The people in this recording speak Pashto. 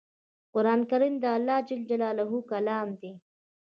قرآن کریم د الله ج کلام دی